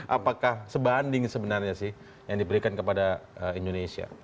apakah sebanding sebenarnya sih yang diberikan kepada indonesia